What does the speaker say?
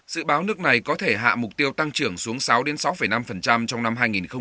dự báo nước này có thể hạ mục tiêu tăng trưởng xuống sáu sáu năm trong năm hai nghìn hai mươi